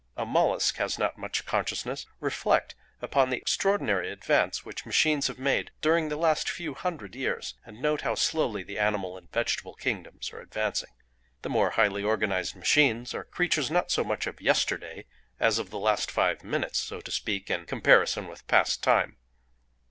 A mollusc has not much consciousness. Reflect upon the extraordinary advance which machines have made during the last few hundred years, and note how slowly the animal and vegetable kingdoms are advancing. The more highly organised machines are creatures not so much of yesterday, as of the last five minutes, so to speak, in comparison with past time.